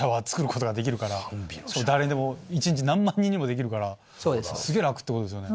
誰にでも一日何万人にもできるからすげぇ楽ってことですよね。